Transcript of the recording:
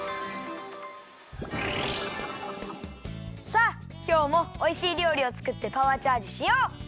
さあきょうもおいしいりょうりをつくってパワーチャージしよう！